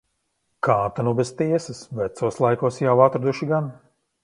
Kā ta nu bez tiesas. Vecos laikos jau atraduši gan.